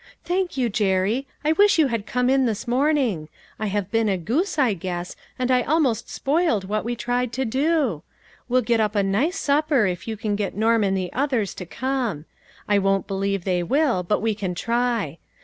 " Thank you, Jerry ; I wish you had come in this morning. I have been a goose, I guess, and I almost spoiled what we tried to do. We'll 198 LITTLE FISHKBS: AND THEIK NETS. get np a nice supper if you can get Norm and the others to come. I don't believe they will, but we can try.